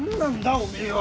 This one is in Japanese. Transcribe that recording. おめえは。